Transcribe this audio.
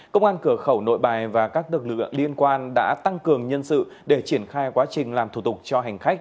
công an cửa khẩu nội bài và các lực lượng liên quan đã tăng cường nhân sự để triển khai quá trình làm thủ tục cho hành khách